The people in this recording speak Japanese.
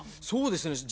そうですね